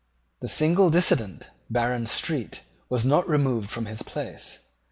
The single dissentient, Baron Street, was not removed from his place.